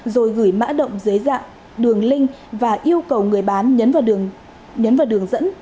rồi gửi mã động dưới dạng đường link và yêu cầu người bán nhấn vào đường dẫn